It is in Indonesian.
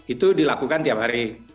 itu dilakukan tiap hari